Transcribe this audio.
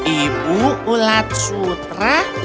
ibu ulat sutra